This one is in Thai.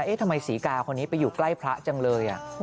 ทำไมศรีกาคนนี้ไปอยู่ใกล้พระจังเลย